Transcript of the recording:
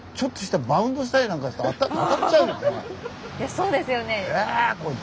そうですよね。